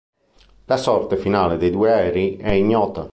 La sorte finale dei due aerei è ignota.